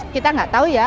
kita gak tahu ya